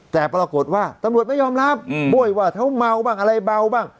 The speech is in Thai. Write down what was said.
แต่ปรากฏว่าตำรวจไม่ยอมรับบ้วยว่าเขาเมาบ้างอะไรเบาบ้าง